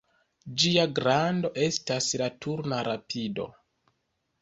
Ĝia grando estas la turna rapido.